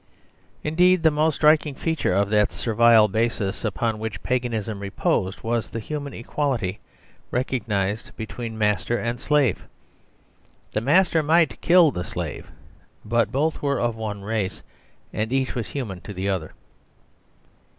Indeed, the most striking feature of that Servile Basis upon which Paganism reposed was the human equality recognised between master and slave. The master might kill the slave, but both were of one race and each was human to the other.